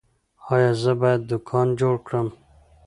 ایا زه باید دوکان جوړ کړم؟